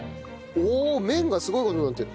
おお麺がすごい事になってる！